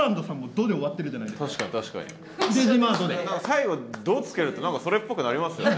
最後「ド」つけると何かそれっぽくなりますよね。